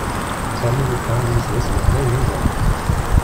Sami yufa adlis d asneknay nezzeh.